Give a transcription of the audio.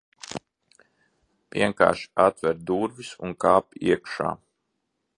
Vienkārši atver durvis, un kāp iekšā.